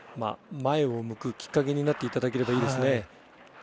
前を向くきっかけになっていただけたらいいですね。